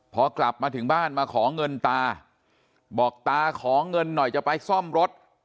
พอกลับมาถึงบ้านมาขอเงินตาบอกตาขอเงินหน่อยจะไปซ่อมรถ